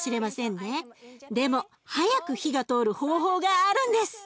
でも早く火が通る方法があるんです！